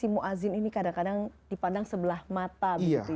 muazzin ini kadang kadang dipandang sebelah mata